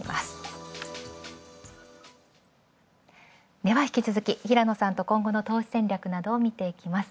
では、引き続き平野さんと今後の投資戦略などを見ていきます。